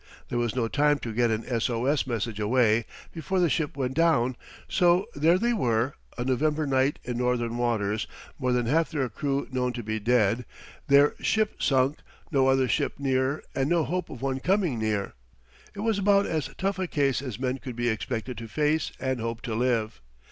There was no time to get an S O S message away before the ship went down; so there they were a November night in northern waters, more than half their crew known to be dead, their ship sunk, no other ship near and no hope of one coming near. It was about as tough a case as men could be expected to face and hope to live.